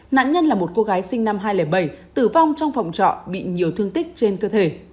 nạn nhân là một cô gái sinh năm hai nghìn bảy tử vong trong phòng trọ bị nhiều thương tích trên cơ thể